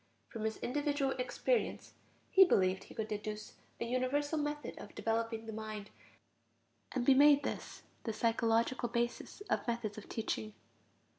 From his individual experience he believed he could deduce a universal method of developing the mind, and be made this the psychological basis of methods of teaching.